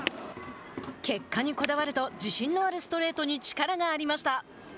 結果にこだわると自信のあるストレートに力がありました。